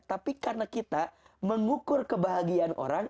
tapi karena kita mengukur kebahagiaan orang